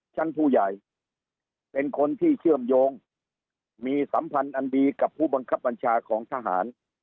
ชั้นผู้ใหญ่เป็นคนที่เชื่อมโยงมีสัมพันธ์อันดีกับผู้บังคับบัญชาของทหาร